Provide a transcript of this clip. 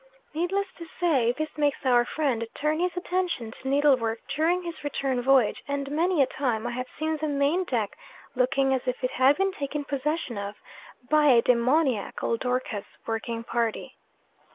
Needless to say, this makes our friend turn his attention to needlework during his return voyage and many a time I have seen the main deck looking as if it had been taken possession of by a demoniacal Dorcas working party.